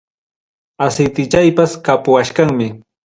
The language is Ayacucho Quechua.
Aceitichaypas kapuwachkanmi.